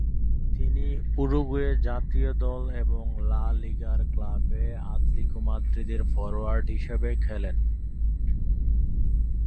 তিনি উরুগুয়ে জাতীয় দল এবং লা লিগার ক্লাব আতলেতিকো মাদ্রিদের ফরোয়ার্ড হিসেবে খেলেন।